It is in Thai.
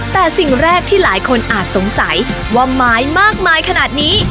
แต่สิ่งแรกที่หลายคนอาจสงสัยว่าไม้มากมายขนาดนี้